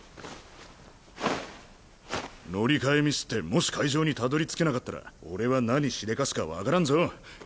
乗り換えミスってもし会場にたどりつけなかったら俺は何しでかすか分からんぞ。